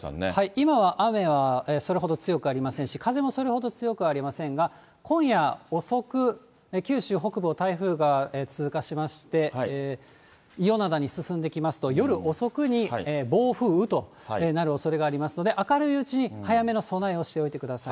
今は雨はそれほど強くありませんし、風もそれほど強くありませんが、今夜遅く、九州北部を台風が通過しまして、伊予灘に進んできますと、夜遅くに暴風雨となるおそれがありますので、明るいうちに早めの備えをしておいてください。